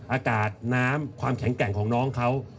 อากาศน้ำความแข็งแกร่งของน้องเขา